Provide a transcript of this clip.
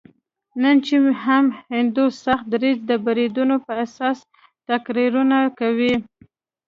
نن چې هم هندو سخت دریځي د بریدونو په اساس تقریرونه کوي.